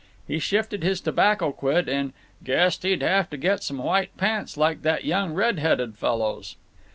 He shifted his tobacco quid and "guessed he'd have to get some white pants like that young red headed fellow's."